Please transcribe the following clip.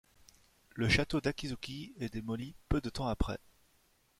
Le château d'Akizuki est démoli peu de temps après.